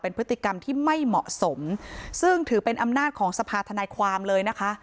พฤติกรรมที่ไม่เหมาะสมซึ่งถือเป็นอำนาจของสภาธนายความเลยนะคะ